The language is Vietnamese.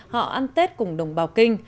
họ ăn tết cùng đồng bào kinh